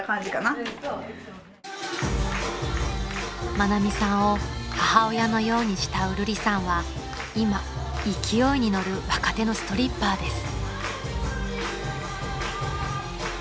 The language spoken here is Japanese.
［愛美さんを母親のように慕うるりさんは今勢いに乗る若手のストリッパーです］